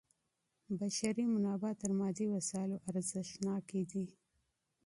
بشري منابع تر مادي وسایلو ارزښتناکي دي.